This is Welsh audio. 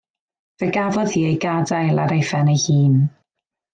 Fe gafodd hi ei gadael ar ei phen ei hun.